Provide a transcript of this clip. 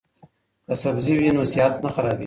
که سبزی وي نو صحت نه خرابیږي.